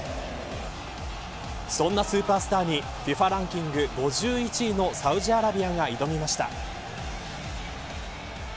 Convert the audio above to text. そんなスーパースターにＦＩＦＡランキング５１位のサウジアラビアが挑みました。